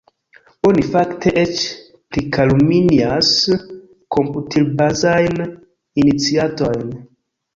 Oni fakte eĉ prikalumnias komputilbazajn iniciatojn.